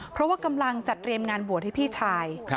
เพราะว่ากำลังจัดเตรียมงานบวชให้พี่ชาย